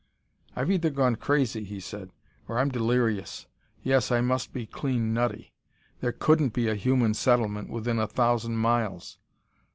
"I've either gone crazy," he said, "or I'm delirious. Yes, I must be clean nutty! There couldn't be a human settlement within a thousand miles.